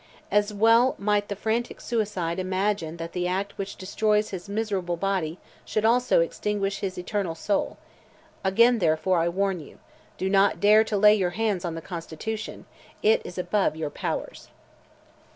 As well might the frantic suicide imagine that the act which destroys his miserable body should also extinguish his eternal soul. Again, therefore, I warn you. Do not dare to lay your hands on the Constitution—it is above your powers!"